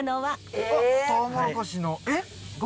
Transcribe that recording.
えっ。